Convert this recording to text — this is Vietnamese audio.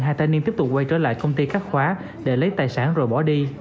hai thanh niên tiếp tục quay trở lại công ty cắt khóa để lấy tài sản rồi bỏ đi